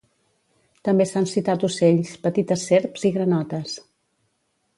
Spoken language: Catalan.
També s'han citat ocells, petites serps i granotes.